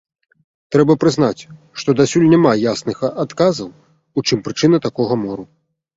Трэба прызнаць, што дасюль няма ясных адказаў, у чым прычына такога мору.